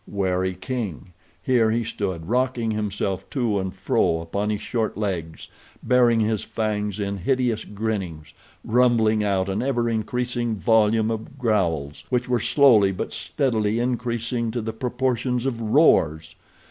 Wary king! Here he stood rocking himself to and fro upon his short legs, baring his fangs in hideous grinnings, rumbling out an ever increasing volume of growls, which were slowly but steadily increasing to the proportions of roars.